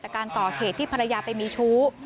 การก่อเหตุที่ภรรยาไปมีชู้